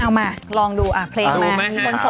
เอามาลองดูเพลงมา